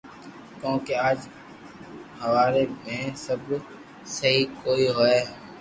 ڪونڪھ اج ھاوري مي سبب سھي ڪوئئي ھوئي